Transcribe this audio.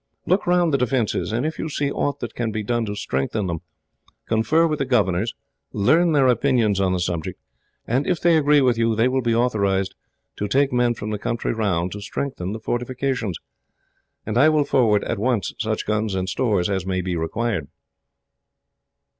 Look round the defences, and if you see aught that can be done to strengthen them, confer with the governors, learn their opinions on the subject, and if they agree with you, they will be authorised to take men from the country round to strengthen the fortifications, and I will forward, at once, such guns and stores as may be required.